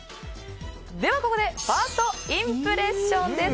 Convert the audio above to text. では、ここでファーストインプレッションです。